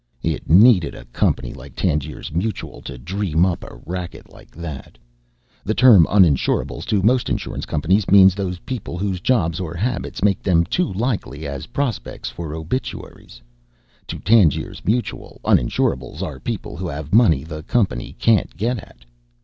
It needed a company like Tangiers Mutual to dream up a racket like that. The term "uninsurables" to most insurance companies means those people whose jobs or habitats make them too likely as prospects for obituaries. To Tangiers Mutual, uninsurables are people who have money the company can't get at.